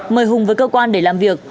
mời hùng với cơ quan để làm việc